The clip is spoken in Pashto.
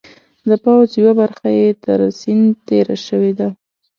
د پوځ یوه برخه یې تر سیند تېره شوې ده.